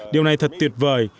điều này thật tuyệt vời